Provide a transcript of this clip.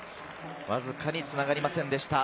わずかにつながりませんでした。